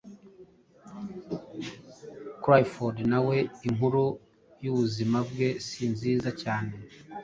Crawford nawe inkuru y'ubuzima bwe si nziza cyane,